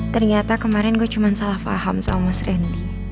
ternyata kemarin gue cuma salah paham sama mas randy